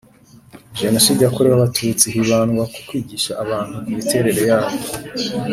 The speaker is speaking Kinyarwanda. jenoside yakorewe abatutsi hibandwa ku kwigisha abantu ku miterere yayo